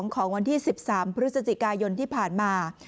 ของวันที่๑๓พฤศจิกายนที่ผ่านมา